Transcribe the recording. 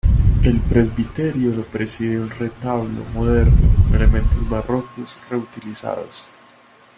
El presbiterio lo preside un retablo moderno con elementos barrocos reutilizados.